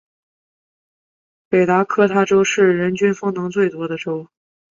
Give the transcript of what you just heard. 北达科他州是人均风能最多的州。